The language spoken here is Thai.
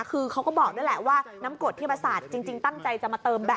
คือเขาก็บอกด้วยแหละว่าน้ำกรดที่มาสาดจริงตั้งใจจะมาเติมแบบ